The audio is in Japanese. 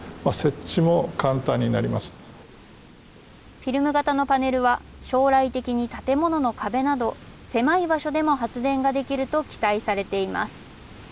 フィルム型のパネルは将来的に建物の壁など狭い場所でも発電ができると期待されています。